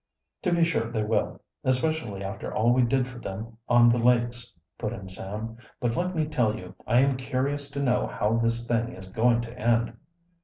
"To be sure they will especially after all we did for them on the Lakes," put in Sam. "But let me tell you, I am curious to know how this thing is going to end."